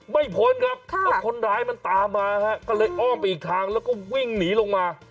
พ้นครับเพราะคนร้ายมันตามมาฮะก็เลยอ้อมไปอีกทางแล้วก็วิ่งหนีลงมา